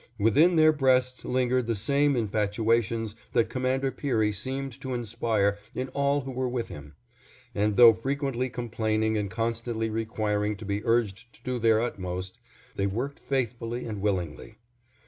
Within their breasts lingered the same infatuations that Commander Peary seemed to inspire in all who were with him, and though frequently complaining and constantly requiring to be urged to do their utmost, they worked faithfully and willingly.